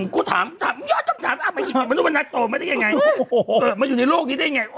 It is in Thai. ก็ถามคี้หนุ่มก็ถามถาม